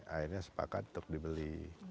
akhirnya sepakat untuk dibeli